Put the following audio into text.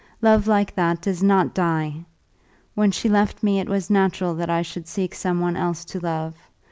Love like that does not die. When she left me it was natural that I should seek some one else to love.